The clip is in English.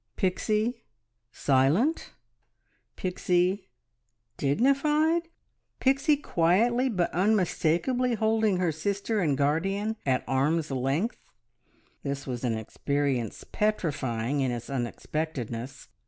Pixie silent; Pixie dignified; Pixie quietly but unmistakably holding her sister and guardian at arm's length, this was an experience petrifying in its unexpectedness!